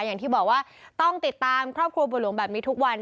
อย่างที่บอกว่าต้องติดตามครอบครัวบัวหลวงแบบนี้ทุกวัน